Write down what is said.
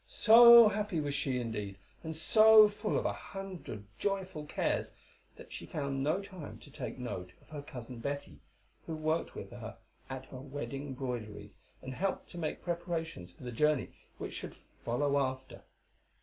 So happy was she indeed, and so full of a hundred joyful cares, that she found no time to take note of her cousin Betty, who worked with her at her wedding broideries, and helped to make preparations for the journey which should follow after.